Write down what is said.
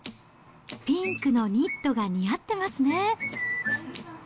ピンクのニットが似合ってますね。